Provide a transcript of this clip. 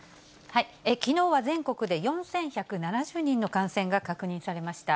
きのうは全国で４１７０人の感染が確認されました。